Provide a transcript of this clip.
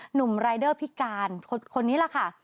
หนุ่มรายเดอร์พิการคนนี้แหละค่ะ